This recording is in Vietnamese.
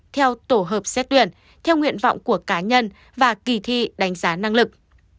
theo tổ hợp xét tuyển theo nguyện vọng của cá nhân và kỳ thi đánh giá năng lực